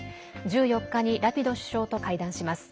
１４日にラピド首相と会談します。